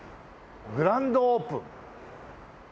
グランドオープン。